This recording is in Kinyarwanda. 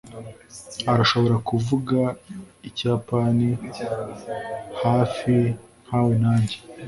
arashobora kuvuga ikiyapani hafi nkawe na njye